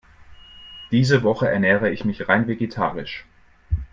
Diese Woche ernähre ich mich rein vegetarisch.